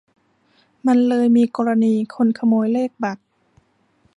มันเลยมีกรณีคนขโมยเลขบัตร